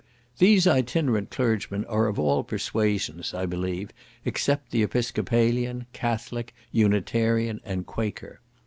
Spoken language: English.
These itinerant clergymen are of all persuasions, I believe, except the Episcopalian, Catholic, Unitarian, and Quaker.